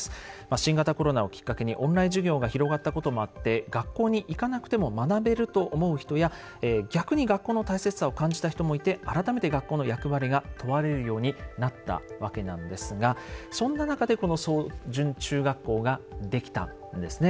新型コロナをきっかけにオンライン授業が広がったこともあって学校に行かなくても学べると思う人や逆に学校の大切さを感じた人もいて改めて学校の役割が問われるようになったわけなんですがそんな中でこの草潤中学校が出来たんですね。